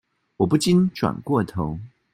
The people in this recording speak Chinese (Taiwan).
我不禁轉過頭